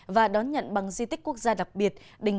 và đón nhận bằng di tích quốc gia đặc biệt đình